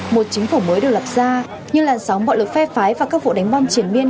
một chính phủ mới được lập ra như làn sóng bạo lực phê phái và các vụ đánh bom triển miên